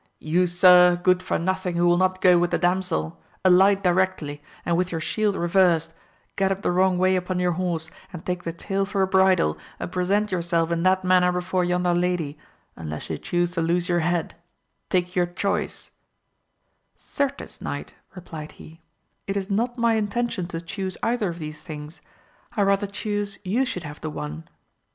You Sir Good for nothing who will not go with the damsel ! alight directly, and with your shield reversed, get up the wrong way upon your horse, and take the tail for a bridle, and present your self in that manner before yonder lady, unless you chuse to lose your head ;— take your choice ; Certes knight, replied he, it is not my intention to chuse either of these things : I rather chuse you should have the one.